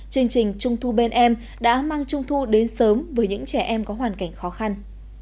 chương trình trung thu bên em đã mang trung thu đến sớm với những trẻ em có hoàn cảnh khó khăn